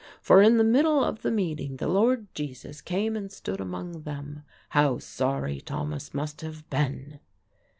for in the middle of the meeting, the Lord Jesus came and stood among them! How sorry Thomas must have been!"